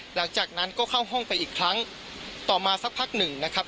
หลังจากนั้นก็เข้าห้องไปอีกครั้งต่อมาสักพักหนึ่งนะครับ